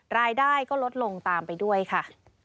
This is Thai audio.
รายได้ก็ลดลงตามไปด้วยค่ะ